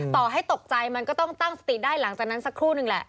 ต่อให้ตกใจมันก็ต้องตั้งสติได้หลังจากนั้นสักครู่นึงแหละ